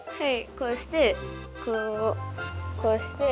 こうしてこうこうして。